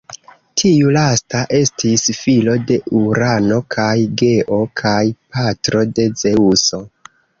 Tiu lasta estis filo de Urano kaj Geo, kaj patro de Zeŭso.